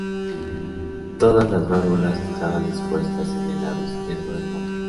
Todas las válvulas estaban dispuestas en el lado izquierdo del motor.